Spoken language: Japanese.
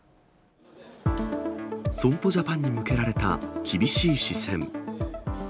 損保ジャパンに向けられた厳しい視線。